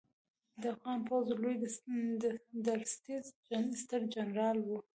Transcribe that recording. د افغان پوځ لوی درستیز سترجنرال و